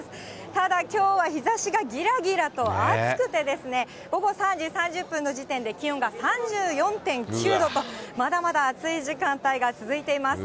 ただ、きょうは日ざしがぎらぎらと暑くてですね、午後３時３０分の時点で気温が３４．９度と、まだまだ暑い時間帯が続いています。